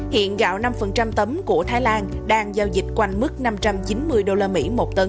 hiện gạo năm tấm của thái lan đang giao dịch quanh mức năm trăm chín mươi đô la mỹ một tấn